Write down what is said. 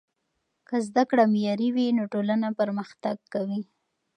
که زده کړه معیاري وي نو ټولنه پرمختګ کوي.